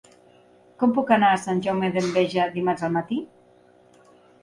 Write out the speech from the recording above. Com puc anar a Sant Jaume d'Enveja dimarts al matí?